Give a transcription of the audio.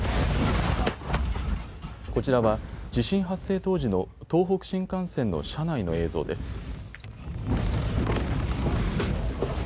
こちらは地震発生当時の東北新幹線の車内の映像です。